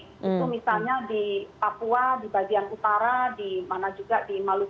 itu misalnya di papua di bagian utara di mana juga di maluku